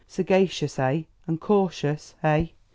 Sagacious, eh? and cautious, eh?